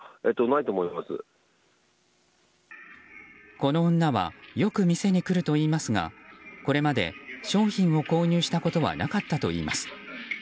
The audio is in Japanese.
この女はよく店に来るといいますがこれまで商品を購入したことはなかったといいます。